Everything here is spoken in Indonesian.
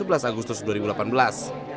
pesawat ditemukan tim sargabungan pada minggu depan